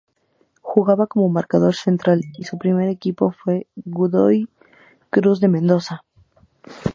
Jugaba como marcador central y su primer equipo fue Godoy Cruz de Mendoza.